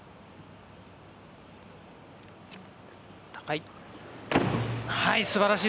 高い。